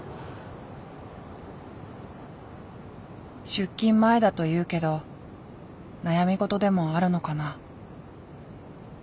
出勤前だというけど悩み事でもあるのかな？